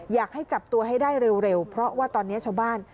อยากให้จับตัวให้ได้เร็วเพราะว่าตอนนี้ชาวบ้าน